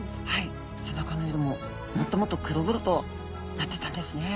背中の色ももっともっと黒々となってったんですね。